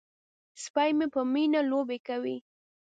سپی مې په مینه لوبې کوي.